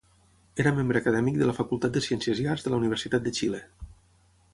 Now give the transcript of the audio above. Era membre acadèmic de la Facultat de Ciències i Arts de la Universitat de Xile.